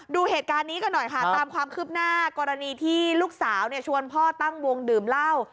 ดูเหตุการณ์นี้กันหน่อยค่ะตามความคืบหน้ากรณีที่ลูกสาวชวนพ่อตั้งวงดื่มเหล้า